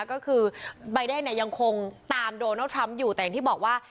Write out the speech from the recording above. ก็คือใบเดนเนี่ยยังคงตามโดนัลดทรัมป์อยู่แต่อย่างที่บอกว่า